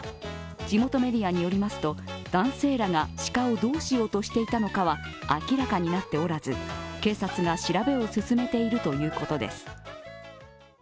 地元メディアによりますと男性らが鹿をどうしようとしていたのかは明らかになっておらず警察が調べを進めているということです。